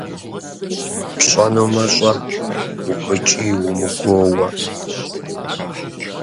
ПщӀэнумэ, щӀэ, умыкӀий-умыгуоуэ!